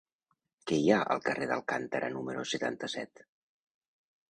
Què hi ha al carrer d'Alcántara número setanta-set?